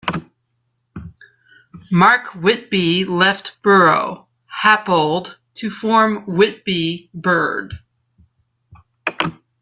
Mark Whitby left Buro Happold to form Whitby Bird.